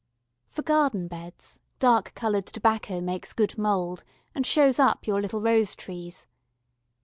For garden beds dark coloured tobacco makes good mould, and shows up your little rose trees.